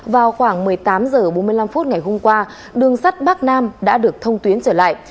vào khoảng một mươi tám h bốn mươi năm phút ngày hôm qua đường sắt bắc nam đã được thông tuyến trở lại